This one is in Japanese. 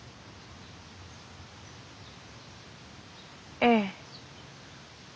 ええ。